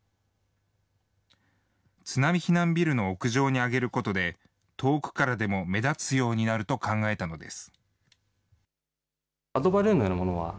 津波避難ビルの屋上に上げることで、遠くからでも目立つようになると考えたのです。